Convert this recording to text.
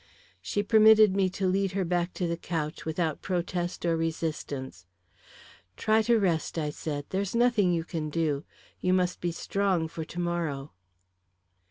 She permitted me to lead her back to the couch without protest or resistance. "Try to rest," I said. "There's nothing you can do. You must be strong for to morrow."